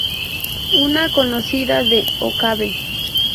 Una conocida de Okabe.